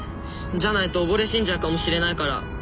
じゃないと溺れ死んじゃうかもしれないから。